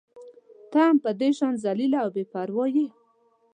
ته هم د ده په شان ذلیله او بې پرواه يې.